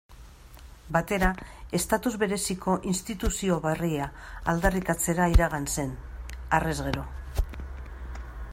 Batera estatus bereziko instituzio berria aldarrikatzera iragan zen, harrez gero.